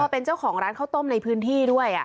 เป็นเจ้าของร้านข้าวต้มในพื้นที่ด้วย